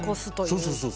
そうそうそうそう。